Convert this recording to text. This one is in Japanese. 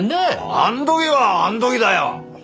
あん時はあん時だよ。